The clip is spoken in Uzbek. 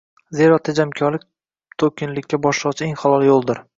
Zero, tejamkorlik to’kinlikka boshlovchi eng halol yo’ldir!